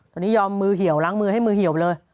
ตอนนี้ยอมมือเหี่ยวล้างมือให้มือเหี่ยวเลย